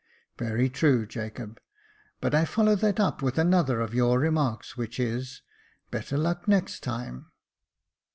" Very true, Jacob ; but I follow that up with another of your remarks, which is, ' Better luck next time.'